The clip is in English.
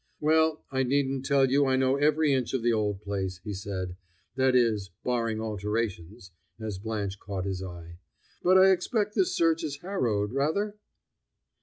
"Well, I needn't tell you I know every inch of the old place," he said; "that is, barring alterations," as Blanche caught his eye. "But I expect this search is harrowed, rather?"